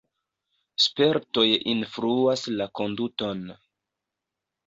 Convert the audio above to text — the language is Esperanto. Spertoj influas la konduton.